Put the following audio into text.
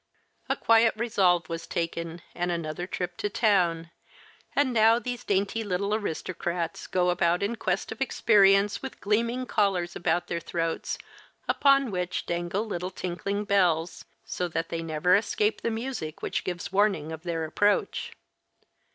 A quiet resolve was taken and another trip to town, and now these dainty little aristocrats go about in quest of experience with gleaming collars about their throats, upon which dangle little tinkling bells, so that they never escape the music which gives warning of their approach.